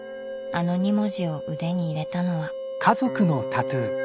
あの２文字を腕に入れたのは。